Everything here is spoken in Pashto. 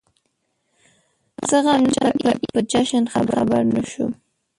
زه غمجن په عيد په جشن خبر نه شوم